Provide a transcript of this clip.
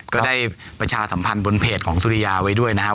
ก็ได้ประชาสัมพันธ์บนเพจของสุริยาไว้ด้วยนะครับ